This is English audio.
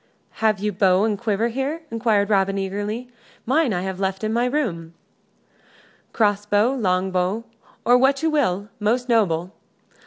"Have you bow and quiver here?" inquired Robin, eagerly. "Mine I have left in my room." "Cross bow, longbow, or what you will, most noble.